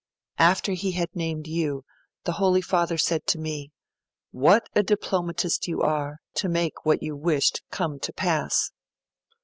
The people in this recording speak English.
After he had named you, the Holy Father said to me, "What a diplomatist you are, to make what you wished come to pass!"